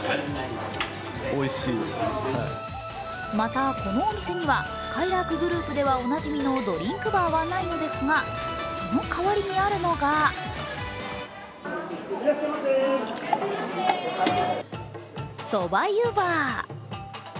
また、このお店にはすかいらーくグループではおなじみのドリンクバーはないのですがその代わりにあるのがそば湯バー。